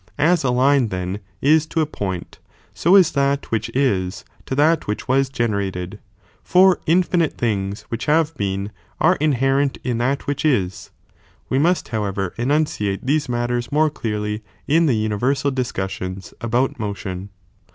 As a line then is to a point, so is that which is to that which was generated, for infinite things which have been, are inherent in that which is ;|{ we must however enunciate these paiBuinriue. matters more clearly in the universal discussions about ™tlo».